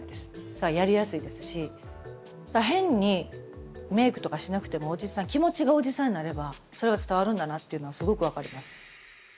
やりやすいですし変にメークとかしなくても気持ちがおじさんになればそれが伝わるんだなっていうのはすごく分かります。